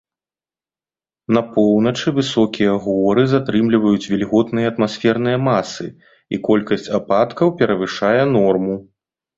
На поўначы высокія горы затрымліваюць вільготныя атмасферныя масы, і колькасць ападкаў перавышае норму.